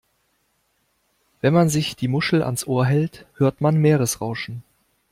Wenn man sich die Muschel ans Ohr hält, hört man Meeresrauschen.